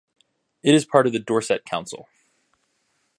It is part of the Dorset Council.